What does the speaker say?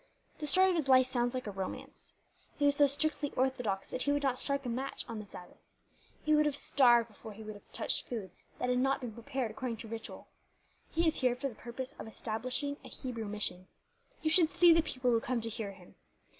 The story of his life sounds like a romance. He was so strictly orthodox that he would not strike a match on the Sabbath. He would have starved before he would have touched food that had not been prepared according to ritual. He is here for the purpose of establishing a Hebrew mission. You should see the people who come to hear him.